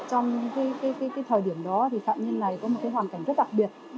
trong thời điểm đó thì phạm nhân này có một hoàn cảnh rất đặc biệt